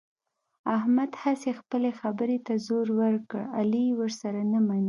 احمد هسې خپلې خبرې ته زور ور کړ، علي یې ورسره نه مني.